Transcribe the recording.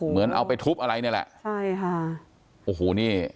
เหมือนเอาไปทุบอะไรนี่แหละใช่ค่ะโอ้โหนี่